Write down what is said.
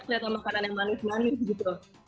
kelihatannya makanan yang manis manis